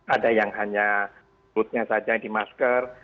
ada yang hanya putnya saja yang dimasker